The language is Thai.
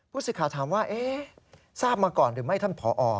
ผู้สิทธิ์ขาวถามว่าเอ๊ะทราบมาก่อนหรือไม่ท่านพอ